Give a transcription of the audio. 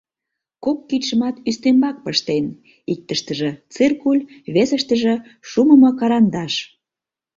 Кок кидшымат ӱстембак пыштен: иктыштыже - циркуль, весыштыже - шумымокарандаш.